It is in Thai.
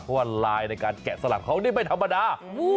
เพราะว่าลายในการแกะสลักเขานี่ไม่ธรรมดา